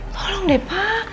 tolong deh pak